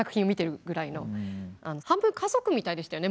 半分家族みたいでしたよね